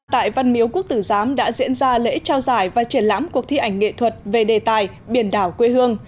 tại văn miếu quốc tử giám đã diễn ra lễ trao giải và triển lãm cuộc thi ảnh nghệ thuật về đề tài biển đảo quê hương